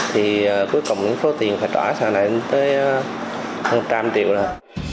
thì cuối cùng số tiền phải trả sản lại đến một trăm linh triệu rồi